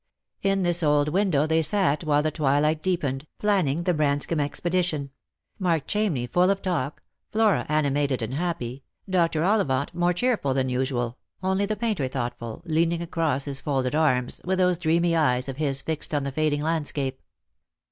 In this old window they sat while the twilight deepened, planning the Branscomb expedition ; Mark Chamney full of talk, Flora animated and happy, Dr. Ollivant more cheerful than usual, only the painter thoughtful, leaning across his folded arms, with those dreamy eyes of his fixed on the fading landscape.